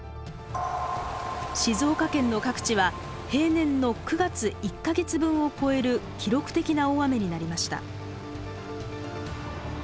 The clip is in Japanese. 静岡県の各地は平年の９月１か月分を超える記録的な大雨になりました。